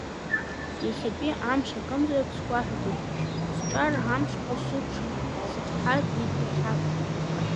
Иахьатәи амш акымзарак сгәаҳәаӡом, сҿара амшқәа сыкәшан, сыхҭаркӡеит иахьак.